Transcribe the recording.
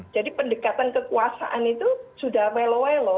jadi pendekatan kekuasaan itu sudah wello wello